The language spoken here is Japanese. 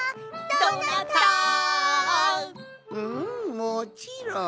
もちろん。